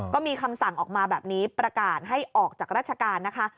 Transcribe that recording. ก็มีคำสั่งออกมาแบบนี้ประกาศให้ออกจากราชการนะคะ